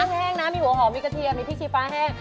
มีต้นแห้งนะมีหัวหอมกระเทียมพิชิหน้าแห้ง